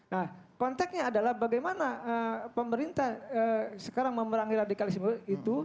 nah konteknya adalah bagaimana pemerintah sekarang memerangi radikalisme itu